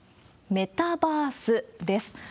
メタバースです。